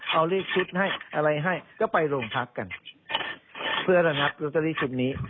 เอาเลขชุดให้อะไรให้ก็ไปโรงพักกันเพื่อระงับลอตเตอรี่ชุดนี้